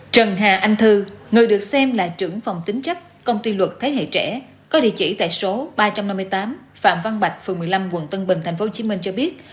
trần hà anh thư người được xem là trưởng phòng tính chất công ty luật thế hệ trẻ có địa chỉ tại số ba trăm năm mươi tám phạm văn bạch phường một mươi năm quận tân bình tp hcm cho biết